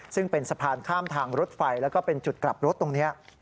ซึ่งเป็นสะพานข้ามทางรถไฟแล้วก็เป็นจุดกลับรถตรงนี้